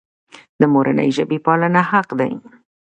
د مورنۍ ژبې پالنه حق دی.